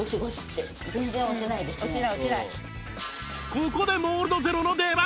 ここでモールドゼロの出番